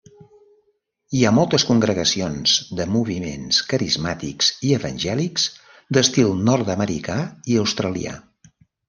Hi ha moltes congregacions de moviments carismàtics i evangèlics d'estil nord-americà i australià.